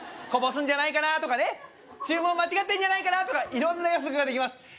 こぼすんじゃないかなとかね注文間違ってんじゃないかなとか色んな予測ができます